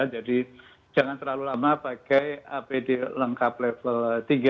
jadi jangan terlalu lama pakai apd lengkap level tiga